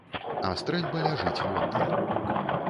А стрэльба ляжыць воддаль.